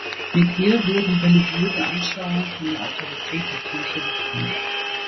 Mit ihr wurden religiöse Anschauungen von der Autorität der Kirche befreit.